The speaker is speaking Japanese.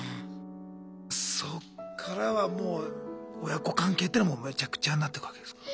そっからはもう親子関係っていうのはめちゃくちゃになってくわけですか？